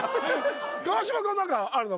川島君は何かあるの？